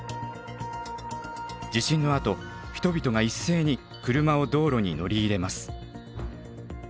地震のあと人々が一斉に車を道路に乗り入れます。